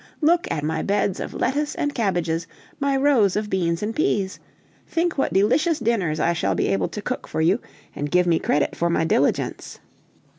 Look at my beds of lettuce and cabbages, my rows of beans and peas! Think what delicious dinners I shall be able to cook for you, and give me credit for my diligence."